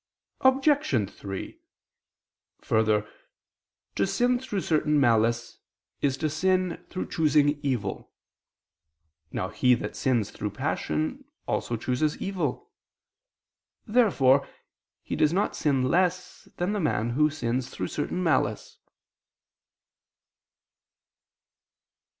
Obj. 3: Further, to sin through certain malice is to sin through choosing evil. Now he that sins through passion, also chooses evil. Therefore he does not sin less than the man who sins through certain malice.